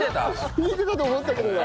弾いてたと思ったけどな。